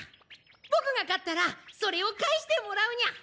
ボクがかったらそれをかえしてもらうニャ！